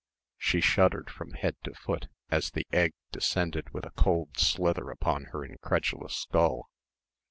She shuddered from head to foot as the egg descended with a cold slither upon her incredulous skull.